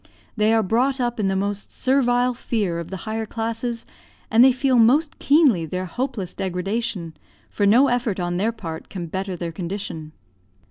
They are brought up in the most servile fear of the higher classes, and they feel most keenly their hopeless degradation, for no effort on their part can better their condition.